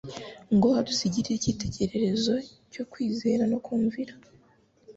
ngo adusigire icyitegererezo cyo kwizera no kumvira.